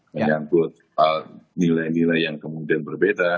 menyangkut nilai nilai yang kemudian berbeda